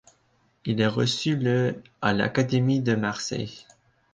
Il est reçu le à l'Académie de Marseille.